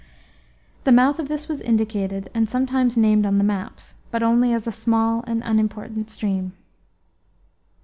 The mouth of this was indicated, and sometimes named, on the maps, but only as a small and unimportant stream.